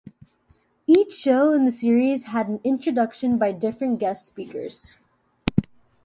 Each show in the series had an introduction by different guest speakers.